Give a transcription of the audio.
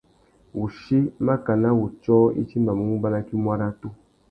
Wuchí makana wutiō i timbamú mubanaki muaratu.